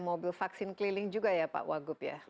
mobil vaksin keliling juga ya pak wagub ya